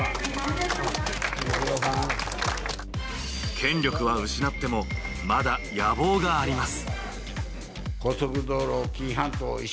権力は失っても、まだ野望があります。